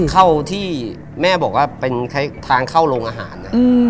เข้าที่แม่บอกว่าเป็นทางเข้าโรงอาหารนะ